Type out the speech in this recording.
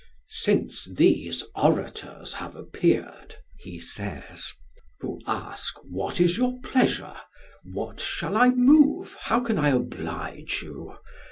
"Since these orators have appeared," he says, "who ask, What is your pleasure? what shall I move? how can I oblige you?